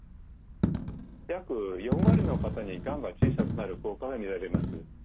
約４割の方にがんが小さくなる効果が見られます。